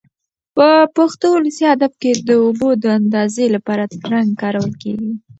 په پښتو ولسي ادب کې د اوبو د اندازې لپاره ترنګ کارول کېږي.